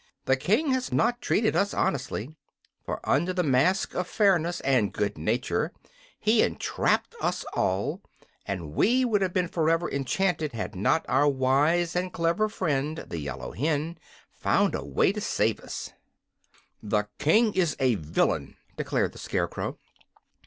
"The King has not treated us honestly, for under the mask of fairness and good nature he entrapped us all, and we would have been forever enchanted had not our wise and clever friend, the yellow hen, found a way to save us." "The King is a villain," declared the Scarecrow.